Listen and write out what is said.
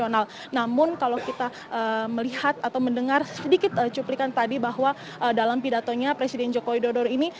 namun kalau kita melihat atau mendengar sedikit cuplikan tadi bahwa dalam pidatonya presiden joko widodo ini